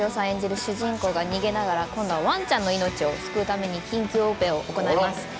演じる主人公が逃げながら今度はワンちゃんの命を救うために緊急オペを行います。